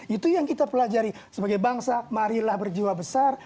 itu yang kita pelajari sebagai bangsa marilah berjiwa besar